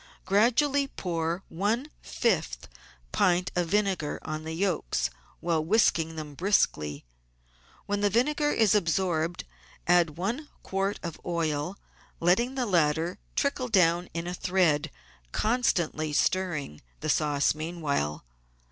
Gradually pour one fifth pint of vinegar on the yolks while whisking them briskly. When the vinegar is absorbed add one quart of oil, letting the latter trickle down in a thread, constantly stirring the sauce meanwhile.